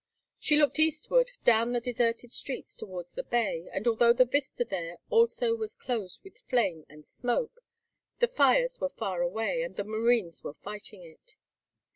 She looked eastward down the deserted streets towards the bay, and although the vista there also was closed with flame and smoke, the fires were far away, and the marines were fighting it.